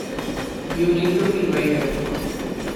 You need to be invited.